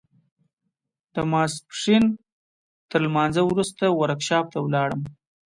د ماسپښين تر لمانځه وروسته ورکشاپ ته ولاړم.